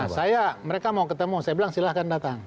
nah saya mereka mau ketemu saya bilang silahkan datang